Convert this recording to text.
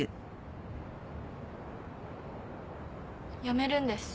辞めるんです。